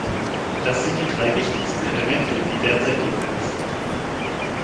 Das sind die drei wichtigsten Elemente, die derzeit notwendig sind.